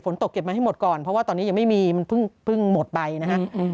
เก็บมาให้หมดก่อนเพราะว่าตอนนี้ยังไม่มีมันเพิ่งหมดไปนะฮะ